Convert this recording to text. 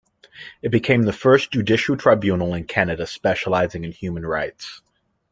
It became the first judicial tribunal in Canada specializing in human rights.